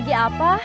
di dekat pala sari